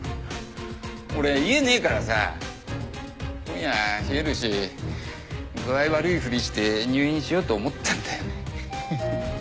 俺家ねえからさ今夜冷えるし具合悪いふりして入院しようと思ったんだよね。